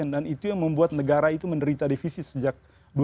dan itu yang membuat negara itu menderita defisi sejak dua ribu empat belas